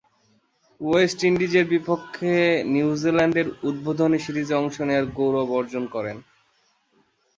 West ইন্ডিজের বিপক্ষে নিউজিল্যান্ডের উদ্বোধনী সিরিজে অংশ নেয়ার গৌরব অর্জন করেন।